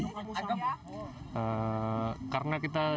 karena kita tinggal di indonesia kita bisa menikmati menu daging panggang